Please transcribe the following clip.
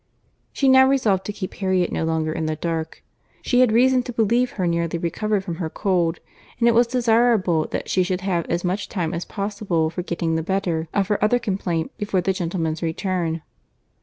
She now resolved to keep Harriet no longer in the dark. She had reason to believe her nearly recovered from her cold, and it was desirable that she should have as much time as possible for getting the better of her other complaint before the gentleman's return.